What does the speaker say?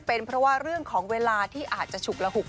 เป็นเพราะว่าเรื่องของเวลาที่อาจจะฉุกระหุก